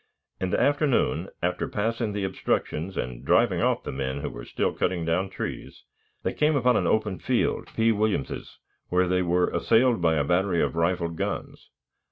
In the afternoon, after passing the obstructions and driving off the men who were still cutting down trees, they came upon an open field (P. Williams's), where they were assailed by a battery of rifled guns.